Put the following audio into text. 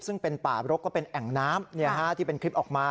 ซึ่งเป็นป่ารกก็เป็นแอ่งน้ำที่เป็นคลิปออกมา